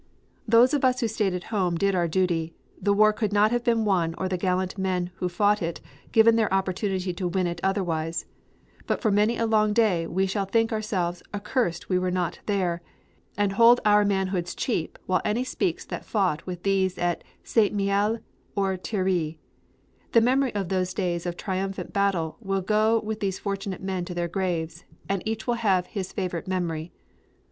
Those of us who stayed at home did our duty: the war could not have been won or the gallant men who fought it given their opportunity to win it otherwise; but for many a long day we shall think ourselves 'accursed we were not there, and hold our manhoods cheap while any speaks that fought' with these at St. Mihiel or Thierry. The memory of those days of triumphant battle will go with these fortunate men to their graves; and each will have his favorite memory.